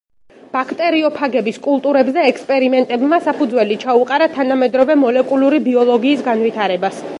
ბაქტერიოფაგების კულტურებზე ექსპერიმენტებმა საფუძველი ჩაუყარა თანამედროვე მოლეკულური ბიოლოგიის განვითარებას.